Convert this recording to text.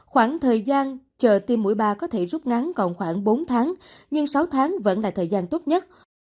khoảng thời gian chờ tiêm mũi ba có thể rút ngắn còn khoảng bốn tháng nhưng sáu tháng vẫn là thời gian tốt nhất